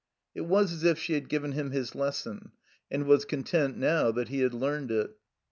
It was as if she had given him his lesson, and was content now that he had learned it.